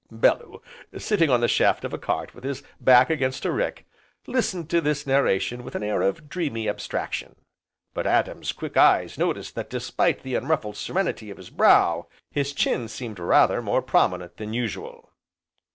Bellew, sitting on the shaft of a cart with his back against a rick, listened to this narration with an air of dreamy abstraction, but Adam's quick eyes noticed that despite the unruffled serenity of his brow, his chin seemed rather more prominent than usual.